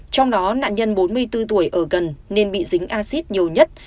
trong đó nạn nhân bốn mươi bốn tuổi ở gần nên bị dính acid nhiều nhất